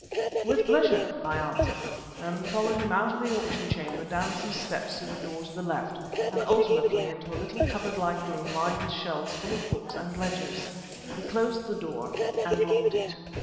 "With pleasure," I answered, and followed him out of the auction chamber down some steps through the door to the left, and ultimately into a little cupboard like room lined with shelves full of books and ledgers. He closed the door and locked it.